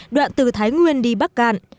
đoạn từ thái nguyên đi bắc cạn